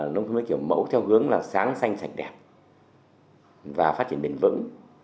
nông thôn mới kiểu mẫu theo hướng là sáng xanh sạch đẹp và phát triển bền vững